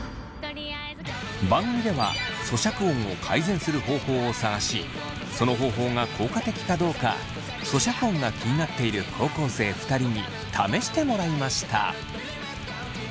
番組では咀嚼音を改善する方法を探しその方法が効果的かどうか咀嚼音が気になっている高校生２人に試してもらいました。